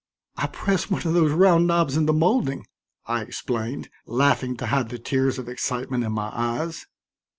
"I pressed one of those round knobs in the molding," I explained, laughing to hide the tears of excitement in my eyes.